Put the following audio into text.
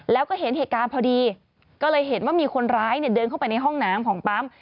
แล้วก็เห็นเหตุการณ์พอดีก็เลยเห็นว่ามีคนร้ายเนี่ยเดินเข้าไปในห้องน้ำของปั๊ม